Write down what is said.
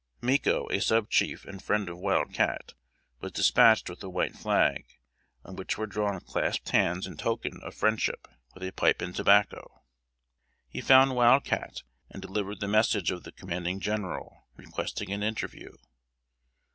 Micco, a sub chief and friend of Wild Cat, was dispatched with a white flag, on which were drawn clasped hands in token of friendship, with a pipe and tobacco. He found Wild Cat, and delivered the message of the Commanding General, requesting an interview.